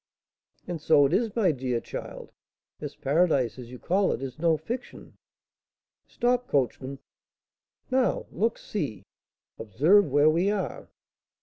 "And so it is, my dear child! This paradise, as you call it, is no fiction." "Stop, coachman!" "Now look! see! observe where we are!"